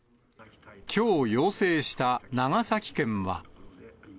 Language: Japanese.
きょう、要請した長崎県は。